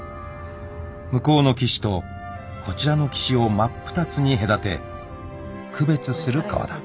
［向こうの岸とこちらの岸を真っ二つに隔て区別する川だ］